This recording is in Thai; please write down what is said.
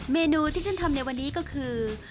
เมนูที่ฉันทำในวันนี้ก็คือ